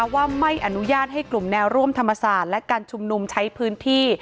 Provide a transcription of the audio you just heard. ว่าไม่อนุญาตให้กลุ่มแนวร่วมธรรมศาสตร์และการชุมนุมใช้พื้นที่